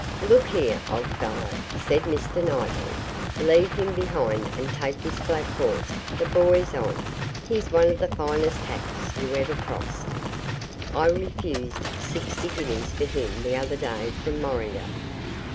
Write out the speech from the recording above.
'Look here, old fellow,' says Mr. Knightley, 'leave him behind and take this black horse the boy's on; he's one of the finest hacks you ever crossed. I refused sixty guineas for him the other day from Morringer.'